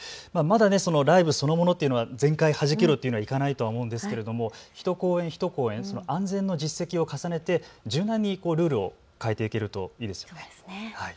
またライブそのものというのは全開、はじけろというのはいかないと思うんですけれども一公演一公演、安全の実績を重ねて柔軟にルールを変えていけるといいですね。